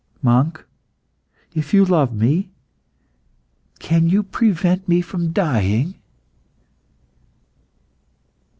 Monk, if you love me, can you prevent me from dying?"